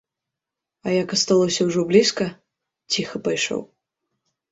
А як асталося ўжо блізка, ціха пайшоў.